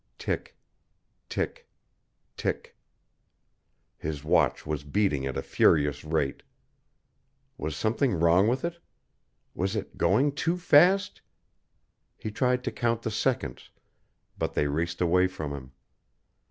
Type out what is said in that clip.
Tick tick tick! His watch was beating at a furious rate. Was something wrong with it? Was it going too fast? He tried to count the seconds, but they raced away from him.